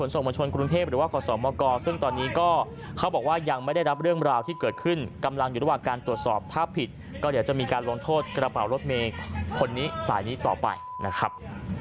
สวัสดีครับ